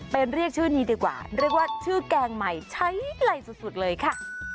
เรียกชื่อนี้ดีกว่าเรียกว่าชื่อแกงใหม่ใช้ไกลสุดเลยค่ะ